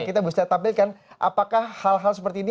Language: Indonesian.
kita bisa tampilkan apakah hal hal seperti ini